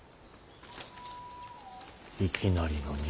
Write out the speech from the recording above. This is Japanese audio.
いきなりの荷